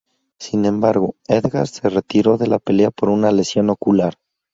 Sin embargo, Edgar se retiró de la pelea por una lesión ocular.